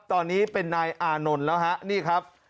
ตอนนี้เป็นนายอานนท์แล้วฮะนี่ครับ